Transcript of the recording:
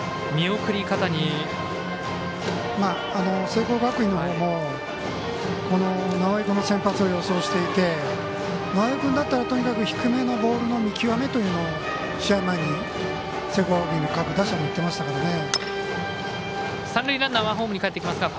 聖光学院の方も直江君の先発を予想していて直江君だったら、とにかく低めのボールの見極めというのを試合前に聖光学院の各打者が言っていましたからね。